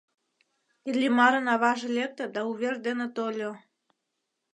Иллимарын аваже лекте да увер дене тольо: